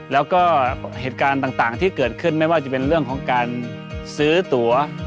แล้วก็เหตุการณ์ต่างที่เกิดขึ้นไม่ว่าจะเป็นเรื่องของการซื้อตัว